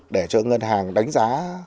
để cho ngân hàng đánh giá